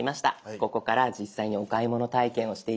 ここから実際にお買い物体験をしていきましょう。